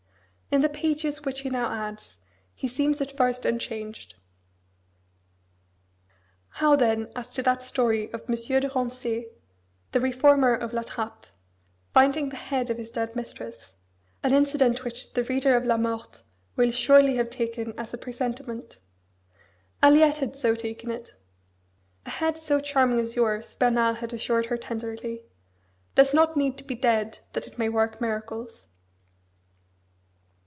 In the pages which he now adds he seems at first unchanged. How then as to that story of M. de Rancé, the reformer of La Trappe, finding the head of his dead mistress; an incident which the reader of La Morte will surely have taken as a "presentiment"? Aliette had so taken it. "A head so charming as yours," Bernard had assured her tenderly, "does not need to be dead that it may work miracles!"